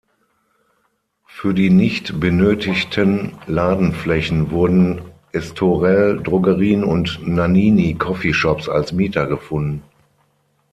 Für die nicht benötigte Ladenflächen wurden Estorel-Drogerien und Nannini-Coffee-Shops als Mieter gefunden.